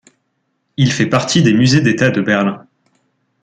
Il fait partie des Musées d'État de Berlin.